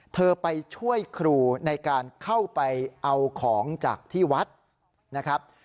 ไปช่วยครูในการเข้าไปเอาของจากที่วัดนะครับ